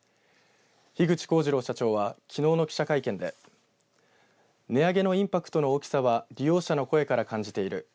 樋口康二郎社長はきのうの記者会見で値上げのインパクトの大きさは利用者の声から感じている。